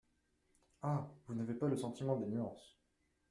Ah ! vous n’avez pas le sentiment des nuances.